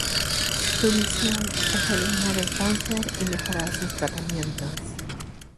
Su misión es eliminar el cáncer y mejorar sus tratamientos.